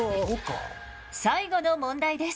最後の問題です。